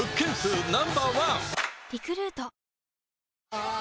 あー！！